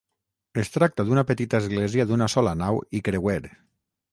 Es tracta d'una petita església d'una sola nau i creuer.